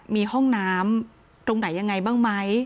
มีห้องน้ำตรงไหนยังไงบ้างไหม